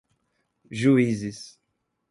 juízes